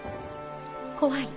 怖い。